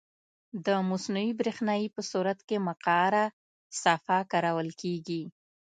د مصنوعي روښنایي په صورت کې مقعره صفحه کارول کیږي.